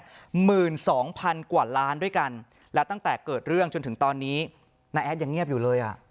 หมื่นสองพันกว่าล้านด้วยกันแล้วตั้งแต่เกิดเรื่องจนถึงตอนนี้น้าแอดยังเงียบอยู่เลยอ่ะ